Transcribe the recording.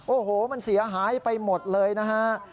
โอ้โหมันเสียหายไปหมดเลยนะฮะ